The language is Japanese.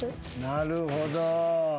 なるほど。